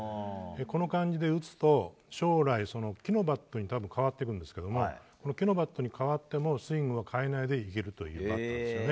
この感じで打つと将来、木のバットに多分、変わっているんですが木のバットに変わってもスイングを変えないでいけるというバッティングですね。